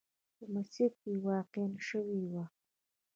په مسیر کې واقع شوې وه.